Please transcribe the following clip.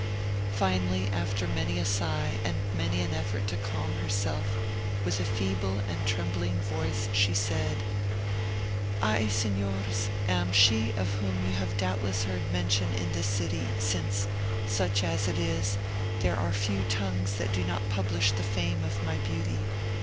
Finally, after many a sigh and many an effort to calm herself, with a feeble and trembling voice, she said— "I, Signors, am she of whom you have doubtless heard mention in this city, since, such as it is, there are few tongues that do not publish the fame of my beauty.